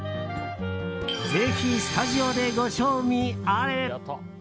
ぜひ、スタジオでご賞味あれ。